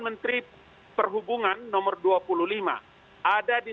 menteri perhubungan nomor dua puluh lima ada di